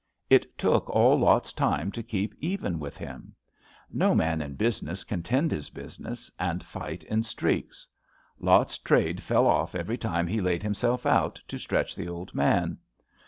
It took all Lot's time to keep even with him. No man in business can 'tend his business and fight in streaks. Lot's trade fell off every time he laid himself out to stretch the old man.